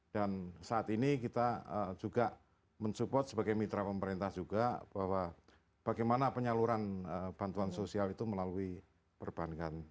dan saat ini kita juga men support sebagai mitra pemerintah juga bahwa bagaimana penyaluran bantuan sosial itu melalui perbankan